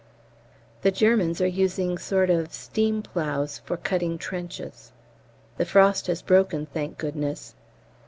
The Germans are using sort of steam ploughs for cutting trenches. The frost has broken, thank goodness.